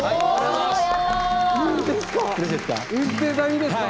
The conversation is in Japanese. いいんですか？